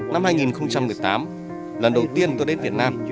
năm hai nghìn một mươi tám lần đầu tiên tôi đến việt nam